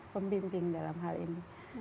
pembimbing dalam hal ini